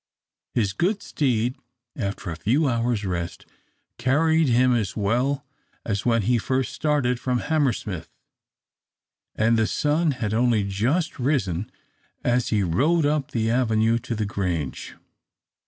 His good steed, after a few hours' rest, carried him as well as when he first started from Hammersmith, and the sun had only just risen as he rode up the avenue to the Grange.